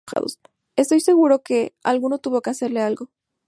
Estoy seguro que, alguien tuvo que hacerle algo.